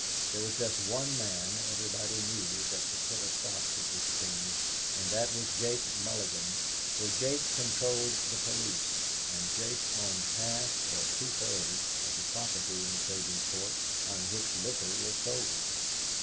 There was just one man everybody knew that could put a stop to this thing, and that was Jake Mulligan, for Jake controlled the police, and Jake owned half or two thirds of the property in Sabinsport on which liquor was sold.